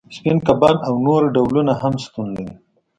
سپین کبان او نور ډولونه هم شتون لري